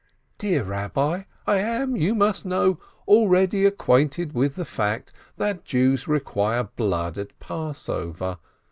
"Dear Rabbi, I am, you must know, already ac quainted with the fact that Jews require blood at Pass over.